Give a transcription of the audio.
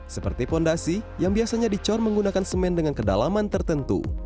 seperti fondasi yang biasanya dicor menggunakan semen dengan kedalaman tertentu